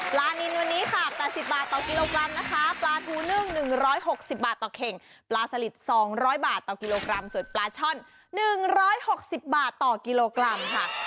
ปลานิเนียวันนี้๘๐บาทต่อกิโลกรัม